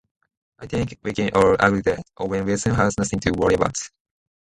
I think we can all agree that Owen Wilson has nothing to worry about.